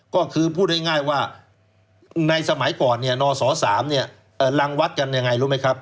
ก็คือพูดง่ายว่าในสมัยก่อนนศ๓รังวัดกันอย่างไรรู้ไหมครับ